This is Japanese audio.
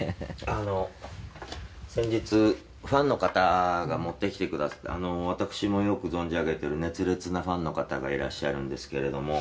あの先日ファンの方が持ってきてくださった私もよく存じ上げている熱烈なファンの方がいらっしゃるんですけれども」